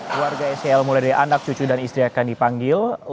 keluarga sel mulai dari anak cucu dan istri akan dipanggil